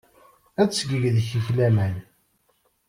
Ad teg deg-k laman.